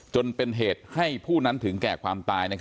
จนเป็นเหตุให้ผู้นั้นถึงแก่ความตาย